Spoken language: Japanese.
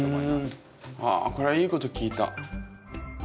あこれはいいこと聞いた。